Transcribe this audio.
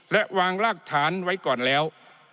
และวางรากฐานไว้ก่อนแล้ว